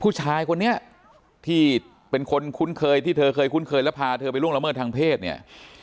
ผู้ชายคนนี้ที่เป็นคนคุ้นเคยที่เธอเคยคุ้นเคยและพาเธอไปล่วงละเมิดทางเพศเนี่ย